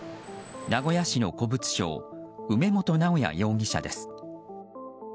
名古屋市の古物商梅本直弥容疑者です。